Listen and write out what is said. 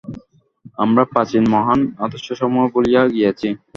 আমরা প্রাচীন মহান আদর্শসমূহ ভুলিয়া গিয়াছি।